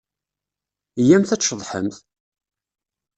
Iyyamt ad tceḍḥemt!